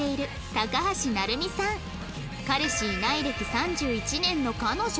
彼氏いない歴３１年の彼女